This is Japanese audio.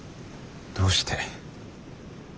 どうして。